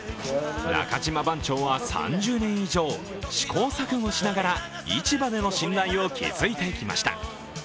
中島番長は３０年以上試行錯誤しながら市場での信頼を築いてきました。